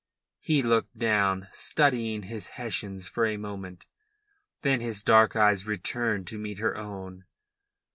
He looked down, studying his hessians for a moment, then his dark eyes returned to meet her own.